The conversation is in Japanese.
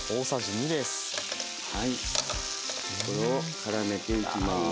これをからめていきます。